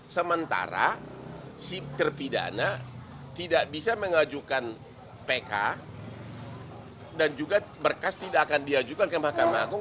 sementara si terpidana tidak bisa mengajukan pk dan juga berkas tidak akan diajukan ke mahkamah agung